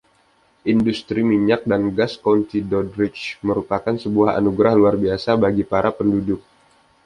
Industri minyak dan gas County Doddridge merupakan sebuah anugerah luar biasa bagi para penduduk.